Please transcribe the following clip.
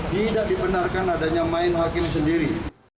tidak dibenarkan adanya main hakim sendiri